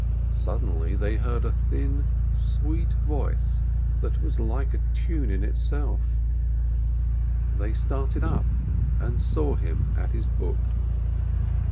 Sud denly they heard a thin, sweet voice that was like a tune in itself. They started up, and saw him at his book.